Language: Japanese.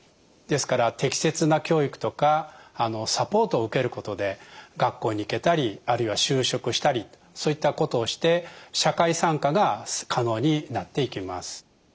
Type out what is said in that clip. ですから適切な教育とかサポートを受けることで学校に行けたりあるいは就職したりそういったことをして社会参加が可能になっていきます。